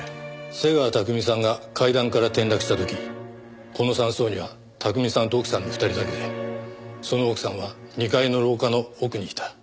瀬川巧さんが階段から転落した時この山荘には巧さんと奥さんの２人だけでその奥さんは２階の廊下の奥にいた。